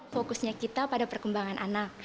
fokusnya kita pada perkembangan anak